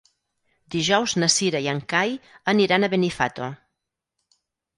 Dijous na Cira i en Cai aniran a Benifato.